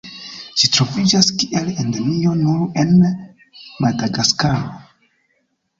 Ĝi troviĝas kiel endemio nur en Madagaskaro.